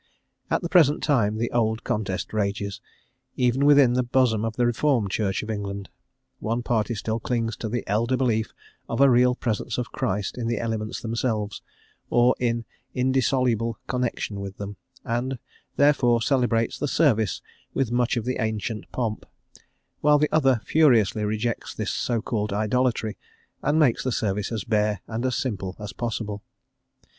At the present time the old contest rages, even within the bosom of the Reformed Church of England; one party still clings to the elder belief of a real presence of Christ in the elements themselves, or in indissoluble connection with them, and, therefore, celebrates the service with much of the ancient pomp; while the other furiously rejects this so called idolatry, and makes the service as bare and as simple as possible.